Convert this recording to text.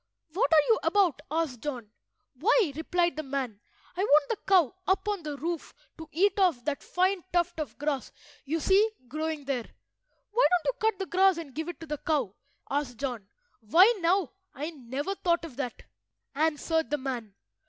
"What are you about?" asked John. "Why," replied the man, "I want the cow up on the roof to eat off that fine tuft of grass you see growing there." "Why don't you cut the grass and give it to the cow?" asked John. "Why, now, I never thought of that!" answered the man.